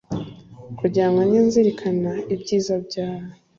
kugira ngo njye nzirikana ibyiza byawe